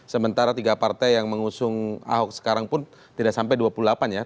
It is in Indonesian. sementara tiga partai yang mengusung ahok sekarang pun tidak sampai dua puluh delapan ya